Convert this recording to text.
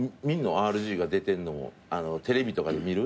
ＲＧが出てんのもテレビとかで見る？